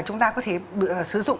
chúng ta có thể sử dụng